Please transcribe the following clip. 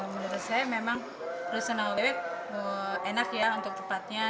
menurut saya memang rusun raubebek enak ya untuk tempatnya